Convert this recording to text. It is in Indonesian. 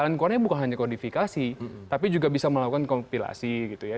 lingkungannya bukan hanya kodifikasi tapi juga bisa melakukan kompilasi gitu ya